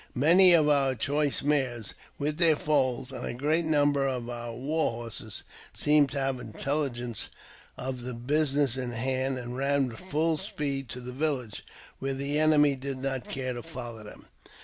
Many of our choice mares, with their foals, and a great number of our war horses, seemed to have intelligence of the business in hand, and ran with full speed to the village, where II JAMES P. BECKWOURTH. 285 the enemy did not care to follow them.